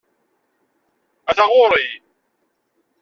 Ata ɣur-i!